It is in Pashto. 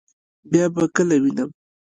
بیا به کله وینم؟